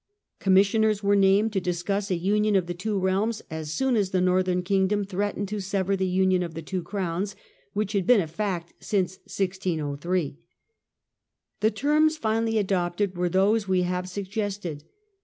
Commissioners were named to discuss a union of the two realms, as soon as the northern kingdom threatened to sever the union of the two crowns, which had been a fact since 1603. The terms finally adopted were those we have suggested.